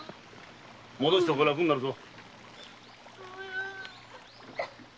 もどした方が楽になるぞ。